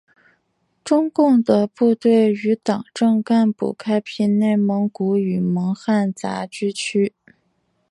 中共的部队与党政干部开辟内蒙古与蒙汉杂居区。